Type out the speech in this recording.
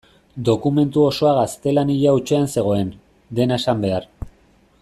Dokumentu osoa gaztelania hutsean zegoen, dena esan behar.